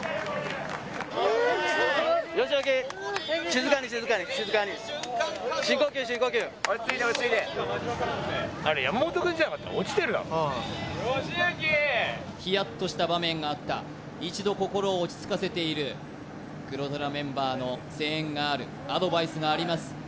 落ち着いて落ち着いてヒヤッとした場面があった一度心を落ち着かせている黒虎メンバーの声援があるアドバイスがあります